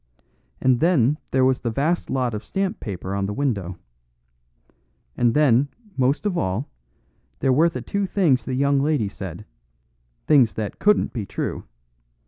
And then there was the vast lot of stamp paper on the window. And then, most of all, there were the two things the young lady said things that couldn't be true.